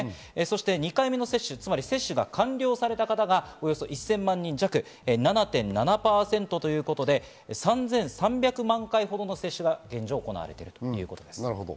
２回目の接種接種を完了された方はおよそ１０００万人弱の７．７％で、３３００万回ほどの接種が行われているということです。